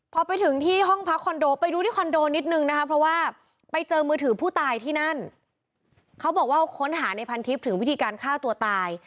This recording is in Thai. พอไปถึงที่ห้องพักคอนโดไปดูที่คอนโดนิดนึงนะคะเพราะว่าไปเจอมือถือผู้ตายที่นั่นเขาบอกว่าค้นหาในพันทิพย์ถึงวิธีการฆ่าตัวตาย